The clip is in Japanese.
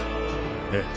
ええ。